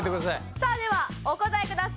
さあではお答えください。